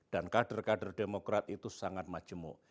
dan kader kader demokrat itu sangat majemuk